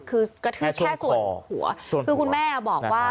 คือกระทืบแค่ส่วนหัวคือคุณแม่บอกว่า